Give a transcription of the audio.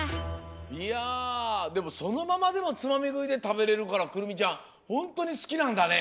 いやでもそのままでもつまみぐいでたべれるからくるみちゃんホントにすきなんだね！